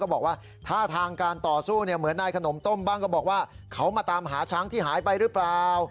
บอกว่าท่าทางการต่อสู้เหมือนนายขนมต้มบ้างก็บอกว่าเขามาตามหาช้างที่หายไปหรือเปล่า